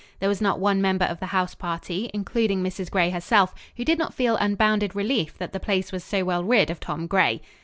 There was not one member of the house party, including Mrs. Gray herself, who did not feel unbounded relief that the place was so well rid of Tom Gray.